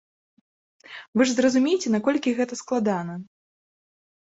Вы ж зразумейце наколькі гэта складана.